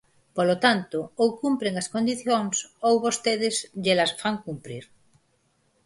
Polo tanto, ou cumpren as condicións, ou vostedes llelas fan cumprir.